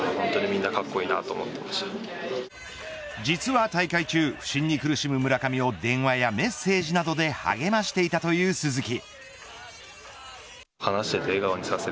実は大会中不振に苦しむ村上を電話やメッセージなどで励ましていたという鈴木。